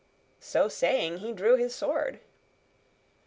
So saying, he drew his sword.